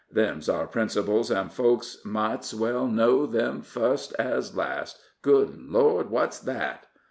Them's our principles, and folks might's well know 'em fust as last. Good Lord! what's that?"